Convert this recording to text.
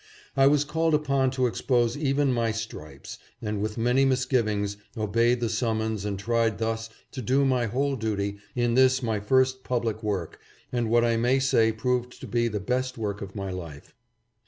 I was called upon to expose even my stripes, and with many misgivings obeyed the summons and tried thus to do my whole duty in this my first public work and what I may say proved to be the best work of my life.